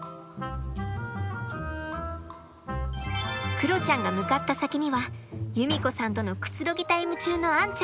クロちゃんが向かった先には由実子さんとのくつろぎタイム中のアンちゃんが。